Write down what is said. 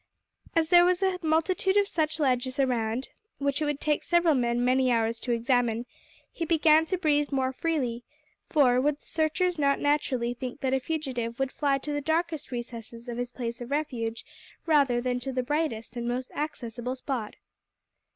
As there was a multitude of such ledges around, which it would take several men many hours to examine, he began to breathe more freely, for, would the searchers not naturally think that a fugitive would fly to the darkest recesses of his place of refuge, rather than to the brightest and most accessible spot?